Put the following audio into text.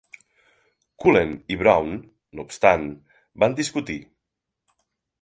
Cullen i Brown, no obstant, van discutir.